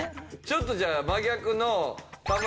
ちょっとじゃあ真逆のおお。